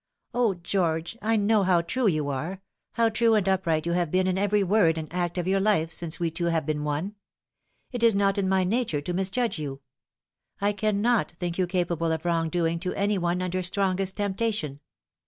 '* O George, I know how true you are how true and upright you have been in every word and act of your life since we two have been one. It is not in my nature to misjudge you. I cannot think you capable of wrong doing to any one under strongest temptation.